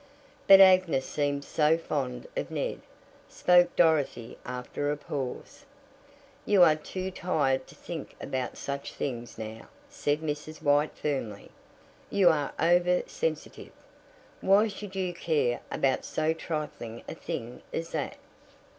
"But Agnes seemed so fond of Ned," spoke Dorothy after a pause. "You are too tired to think about such things now," said Mrs. White firmly. "You are over sensitive. Why should you care about so trifling a thing as that?"